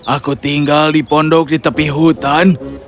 aku tinggal di pondok di tepi hutan